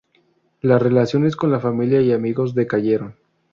Las relaciones con la familia y amigos decayeron.